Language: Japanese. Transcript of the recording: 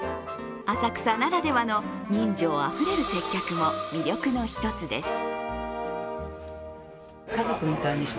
浅草ならではの人情あふれる接客も魅力の一つです。